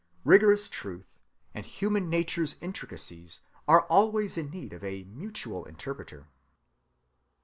Rigorous truth and human nature's intricacies are always in need of a mutual interpreter.